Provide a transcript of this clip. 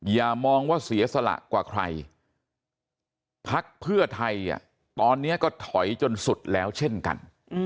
อย่ามองว่าเสียสละกว่าใครพักเพื่อไทยตอนนี้ก็ถอยจนสุดแล้วเช่นกัน